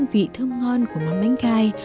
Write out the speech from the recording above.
những hình thức hương vị thơm ngon của món bánh gai